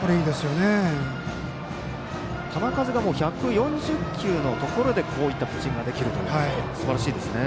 球数がもう１４０球のところでこういったピッチングができるという、すばらしいですね。